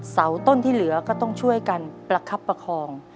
เสาต้นที่เหลือก็ต้องช่วยกันประคับประคอง